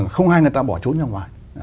không ai người ta bỏ trốn ra ngoài